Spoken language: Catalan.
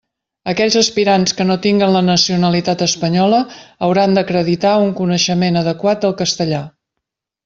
Aquells aspirants que no tinguen la nacionalitat espanyola hauran d'acreditar un coneixement adequat del castellà.